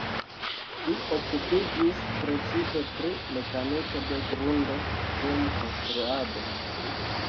Li okupiĝis precipe pri mekaniko de grundo dum konstruado.